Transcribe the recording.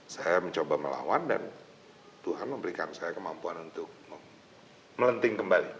saya mencoba melawan dan tuhan memberikan saya kemampuan untuk melenting kembali